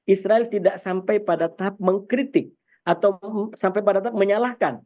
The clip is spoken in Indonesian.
israel tidak sampai pada tahap mengkritik atau sampai pada tahap menyalahkan